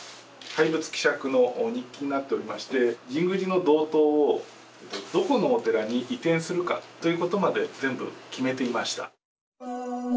廃仏毀釈の日記になっておりまして神宮寺の塔堂をどこのお寺に移転するかということまで全部決めていました。